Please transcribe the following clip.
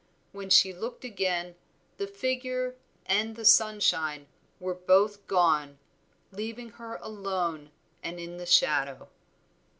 When she looked again, the figure and the sunshine were both gone, leaving her alone and in the shadow.